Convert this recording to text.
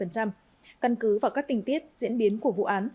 căn cứ vào các tình tiết diễn biến của vụ án